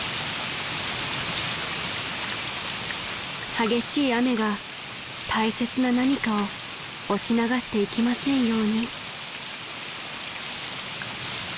［激しい雨が大切な何かを押し流していきませんように］